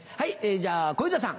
じゃあ小遊三さん。